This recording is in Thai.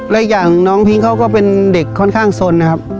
และอย่างน้องพิ้งเขาก็เป็นเด็กค่อนข้างสนนะครับ